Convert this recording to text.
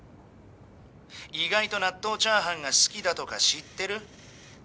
意外と納豆チャーハンが好きだとか知ってる？